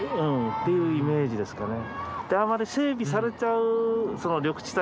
っていうイメージですかね。